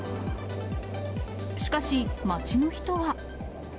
しかし、街の人は。